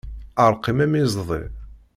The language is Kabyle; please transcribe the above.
Ṛqiq am iẓḍi.